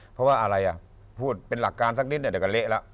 เพราะว่าอะไรอ่ะพูดเป็นหลักการสักนิดเดี๋ยวก็เละแล้ว